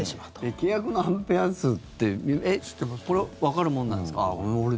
契約のアンペア数ってわかるものなんですか？